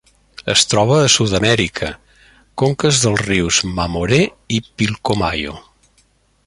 Es troba a Sud-amèrica: conques dels rius Mamoré i Pilcomayo.